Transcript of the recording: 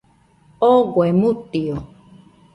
Ogoe mutio